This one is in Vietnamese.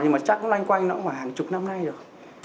nhưng mà chắc cũng loanh quanh nó khoảng hàng chục năm nay rồi